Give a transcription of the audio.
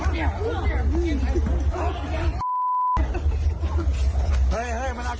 ผีแต้ไปกับเก้าอี้